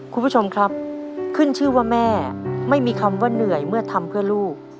คุณผู้ชมครับขึ้นชื่อว่าแม่ไม่มีคำว่าเหนื่อยเมื่อทำเพื่อลูก